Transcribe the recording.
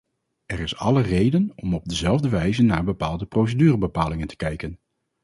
Er is alle reden om op dezelfde wijze naar bepaalde procedurebepalingen te kijken.